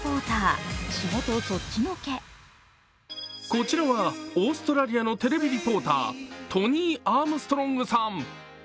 こちらはオーストラリアのテレビリポータートニー・アームストロングさん。